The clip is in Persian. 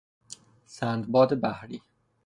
سندباد بحری